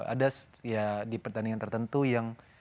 ada ya di pertandingan tertentu yang